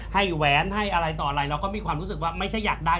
แหวนให้อะไรต่ออะไรเราก็มีความรู้สึกว่าไม่ใช่อยากได้